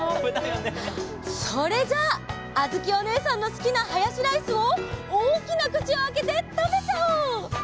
それじゃああづきおねえさんのすきなハヤシライスをおおきなくちをあけてたべちゃおう！